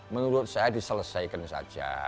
menurut saya diselesaikan saja